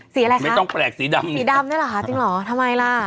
สีอะไรคะสีดำเนี่ยหรอจริงหรอทำไมล่ะ